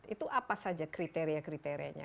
itu apa saja kriteria kriterianya